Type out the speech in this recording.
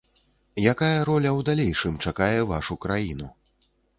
Якая роля ў далейшым чакае вашу краіну?